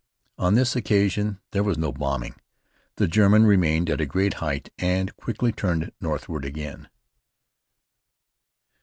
On this occasion there was no bombing. The German remained at a great height and quickly turned northward again.